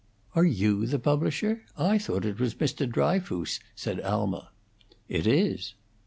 "Are you the publisher? I thought it was Mr. Dryfoos," said Alma. "It is."